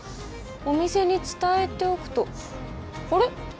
お店に伝えておくとあれ？